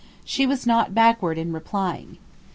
She was not backward in replying.